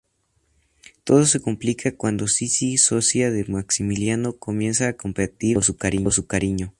Todo se complica cuando Sisi, socia de Maximiliano, comienza a competir por su cariño.